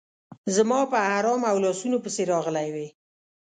زما په احرام او لاسونو پسې راغلې وې.